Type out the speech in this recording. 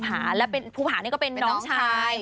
คุณต่อแล้วเมจนะที่เป็นเพื่อนสนิทกับมิ้นท์ชะฬิดา